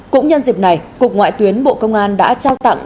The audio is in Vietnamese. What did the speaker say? cũng nhân dịp này cục ngoại tuyến bộ công an đã trao tặng